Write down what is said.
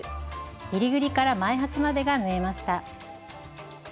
えりぐりから前端までが縫えました。